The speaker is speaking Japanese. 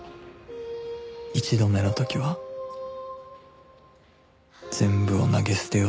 １度目の時は全部を投げ捨てようとした